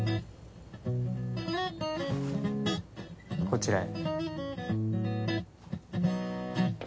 こちらへ。